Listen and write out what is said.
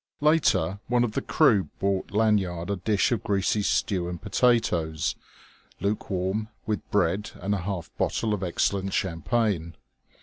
Later, one of the crew brought Lanyard a dish of greasy stew and potatoes, lukewarm, with bread and a half bottle of excellent champagne.